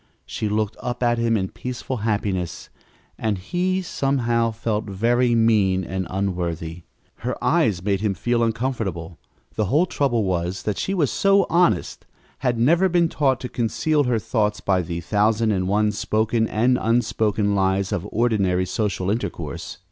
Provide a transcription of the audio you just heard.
She looked up at him in peaceful happiness and he somehow felt very mean and unworthy. Her eyes made him uncomfortable. The whole trouble was that she was so honest had never been taught to conceal her thoughts by the thousand and one spoken and unspoken lies of ordinary social intercourse.